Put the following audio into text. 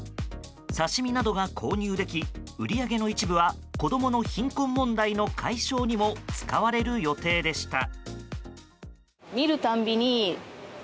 刺し身などが購入でき売り上げの一部は子供の貧困問題の解消にも使われる予定でした。